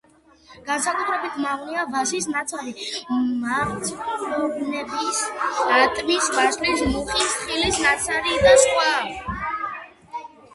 განსაკუთრებით მავნეა ვაზის ნაცარი, მარცვლოვნების, ატმის, ვაშლის, მუხის, თხილის ნაცარი და სხვა.